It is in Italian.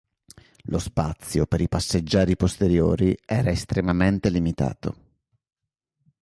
Lo spazio per i passeggeri posteriori era estremamente limitato.